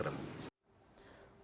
lebih kurang satu sembilan gram